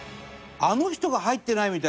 あの人が入ってない！